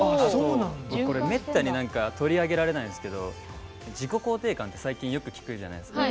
これ、めったに取り上げられないんですけど自己肯定感って最近よく聞くじゃないですか。